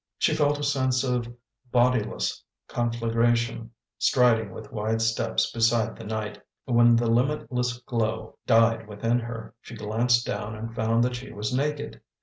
She felt a sense of bodiless conflagration striding with wide steps beside the night. When the limitless glow died within her, she glanced down and found that she was naked.